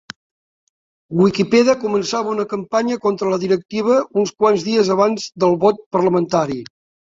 Wikipedia començava una campanya contra la directiva uns quants dies abans del vot parlamentari.